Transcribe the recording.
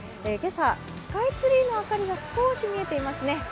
今朝、スカイツリーの明かりが少し見えていますね。